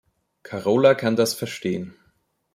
Karola kann das verstehen.